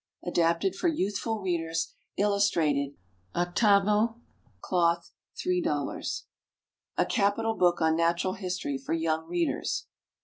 ADAPTED FOR YOUTHFUL READERS. Illustrated. 8vo, Cloth, $3.00. A capital book on natural history for young readers.